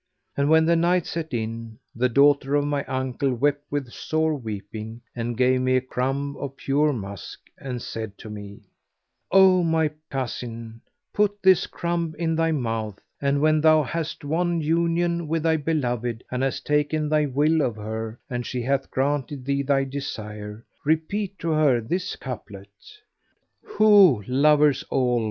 And when night set in, the daughter of my uncle wept with sore weeping and gave me a crumb of pure musk, and said to me, "O my cousin, put this crumb in thy mouth, and when thou hast won union with thy beloved and hast taken thy will of her and she hath granted thee thy desire, repeat to her this couplet, 'Ho, lovers all!